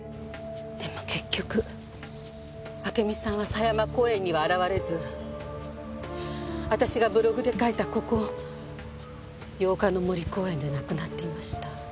でも結局暁美さんは狭山公園には現れず私がブログで書いたここ八日の森公園で亡くなっていました。